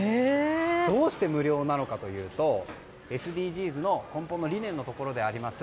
どうして無料なのかというとＳＤＧｓの根本の理念のところであります